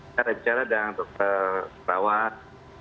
saya bicara dengan dokter rawat